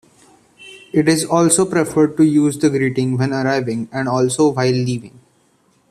It is also preferred to use the greeting when arriving and also while leaving.